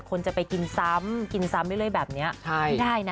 คนจะไปกินซ้ำได้เลยแบบนี้ไม่ได้นะ